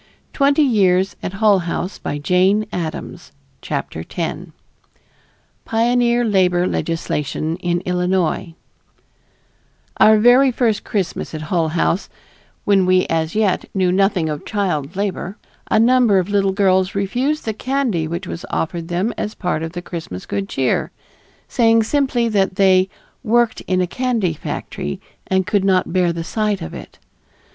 1910) pp. 198 230. [Editor: Mary MarkOckerbloom] CHAPTER X PIONEER LABOR LEGISLATION IN ILLINOIS Our very first Christmas at Hull House, when we as yet knew nothing of child labor, a number of little girls refused the candy which was offered them as part of the Christmas good cheer, saying simply that they "worked in a candy factory and could not bear the sight of it."